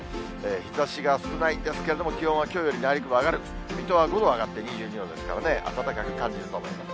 日ざしが少ないんですけれども、気温はきょうより内陸部上がる、水戸は５度上がって２２度ですからね、暖かく感じると思います。